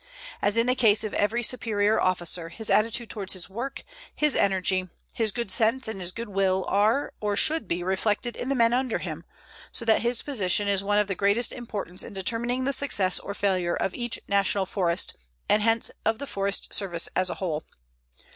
As in the case of every superior officer, his attitude toward his work, his energy, his good sense, and his good will are or should be reflected in the men under him, so that his position is one of the greatest importance in determining the success or failure of each National Forest, and hence of the Forest Service as a whole.